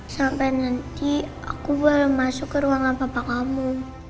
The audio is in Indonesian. sampe nanti aku balik masuk ke ruangan papa kamu